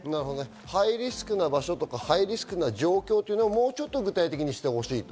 ハイリスクな場所とか、ハイリスクな状況というのを、ちょっと具体的にしてほしいと。